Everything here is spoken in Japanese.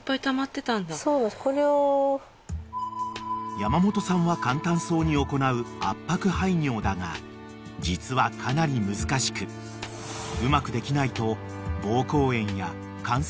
［山本さんは簡単そうに行う圧迫排尿だが実はかなり難しくうまくできないと］